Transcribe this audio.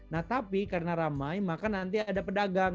nah tapi karena ramai maka nanti ada pedagang